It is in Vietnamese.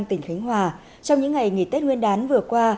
trong những ngày nghỉ tết nguyên đán vừa qua